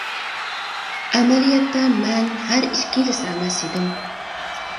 ئەمەلىيەتتە مەن ھەر ئىككىلىسى ئەمەس ئىدىم.